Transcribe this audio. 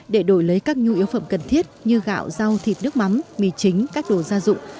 để đổi lấy các nhu yếu phẩm cần thiết như gạo rau thịt nước mắm mì chính các đồ gia dụng